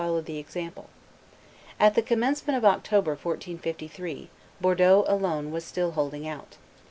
followed the example. At the commencement of October, 1453, Bordeaux alone was still holding out.